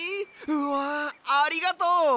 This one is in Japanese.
うわありがとう！